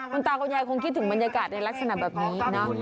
คุณตาคุณยายคงคิดถึงบรรยากาศในลักษณะแบบนี้เนอะ